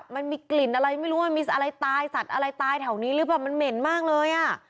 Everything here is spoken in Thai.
มันมีกลิ่นอะไรไม่รู้ว่ามันมีอะไรตายสัตว์อะไรตายแถวนี้หรือเปล่ามันเหม็นมากเลยอ่ะ